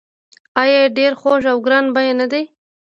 آیا ډیر خوږ او ګران بیه نه دي؟